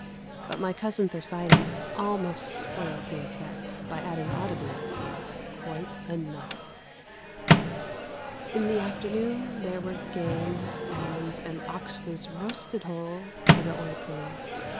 But my cousin Thersites almost spoilt the effect by adding audibly, "Quite enough." In the afternoon there were games, and an ox was roasted whole for the _ὁι πολλὸι.